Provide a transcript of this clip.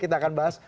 kita akan bahas